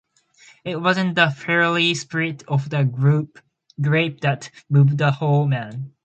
It was not the fiery spirit of the grape that moved the holy man.